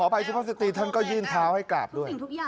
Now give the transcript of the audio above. ขอแผ่งเชี่ยวประสิทธิ์ท่านก็ยื่นเท้าให้กราบด้วย